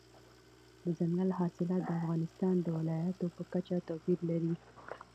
دځنګل حاصلات د افغانستان د ولایاتو په کچه توپیر لري.